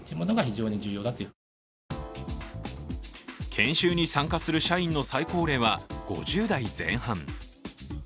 研修に参加する社員の最高齢は５０代前半。